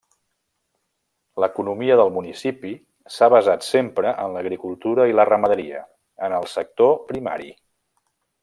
L'economia del municipi s'ha basat sempre en l'agricultura i la ramaderia, en el sector primari.